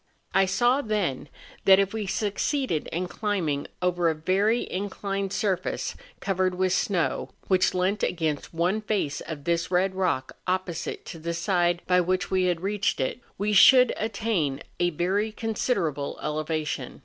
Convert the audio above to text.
I saw then that if we succeeded in climbing over a very inclined surface, covered with snow, which leant against one face of this red rock opposite to the side by which we had reached it, we should attain a very consider CHBIBORAZO. 297 able elevation.